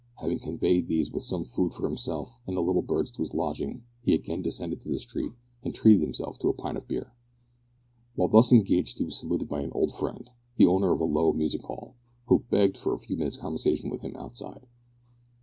Having conveyed these with some food for himself and the little birds to his lodging he again descended to the street, and treated himself to a pint of beer. While thus engaged he was saluted by an old friend, the owner of a low music hall, who begged for a few minutes' conversation with him outside.